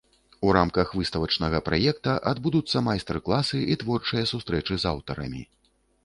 У рамках выставачнага праекта адбудуцца майстар-класы і творчыя сустрэчы з аўтарамі.